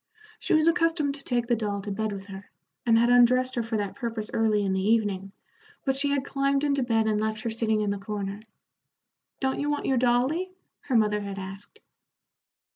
She was accustomed to take the doll to bed with her, and had undressed her for that purpose early in the evening, but she had climbed into bed and left her sitting in the corner. "Don't you want your dolly?" her mother had asked.